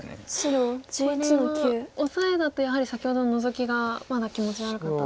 これはオサエだとやはり先ほどのノゾキがまだ気持ち悪かったと。